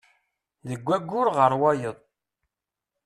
Deg wayyur ɣer wayeḍ.